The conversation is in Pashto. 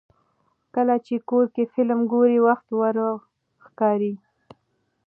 کله چې کور کې فلم ګورو، وخت ورو ښکاري.